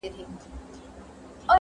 ملنګه ! دا د کومې درواﺯې خواه دې نيولې -